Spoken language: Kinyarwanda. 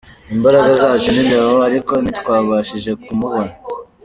Imbaraga zacu ni Leo, ariko ntitwabashije kumubona.